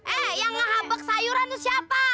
eh yang ngehabeg sayuran tuh siapa